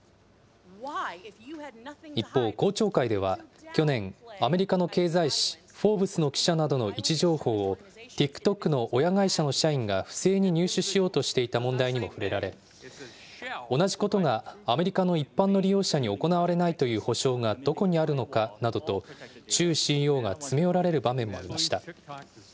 一方、公聴会では去年、アメリカの経済誌、フォーブスの記者などの位置情報をＴｉｋＴｏｋの親会社の社員が不正に入手しようとしていた問題にも触れられ、同じことがアメリカの一般の利用者に行われないという保証がどこにあるのかなどと、チュウＣＥＯが詰め寄られる場面もありました。